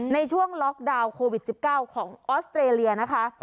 ในช่วงล็อกดาวน์โควิด๑๙ของออสเตรเลียนะคะ